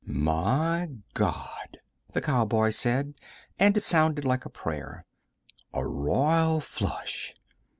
"My God," the cowboy said, and it sounded like a prayer. "A royal flush."